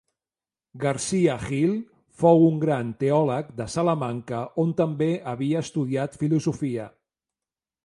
Garcia Gil fou un gran teòleg de Salamanca, on també havia estudiat filosofia.